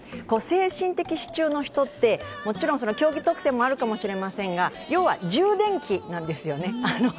精神的支柱の人って、もちろん競技特性があるかもしれませんが、要は充電器なんですよね